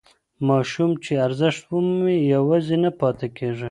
ماشوم چې ارزښت ومومي یوازې نه پاتې کېږي.